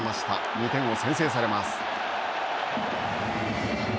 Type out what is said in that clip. ２点を先制されます。